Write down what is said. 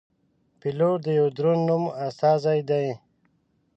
پیلوټ د یوه دروند نوم استازی دی.